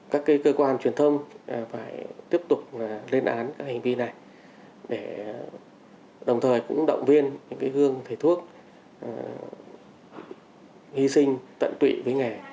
các cơ quan truyền thông phải tiếp tục lên án các hành vi này để đồng thời cũng động viên những gương thầy thuốc hy sinh tận tụy với nghề